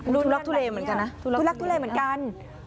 ทุลักทุเลเหมือนกันนะทุลักทุเลเหมือนกัน